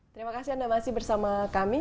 terima kasih anda masih bersama kami